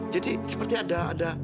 jadi seperti ada